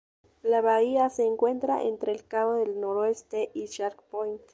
La bahía se encuentra entre el Cabo del Noroeste y Shark Point.